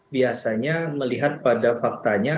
biasanya melihat pada faktanya